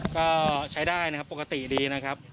ก็ใช้ได้นะครับปกติดีนะครับ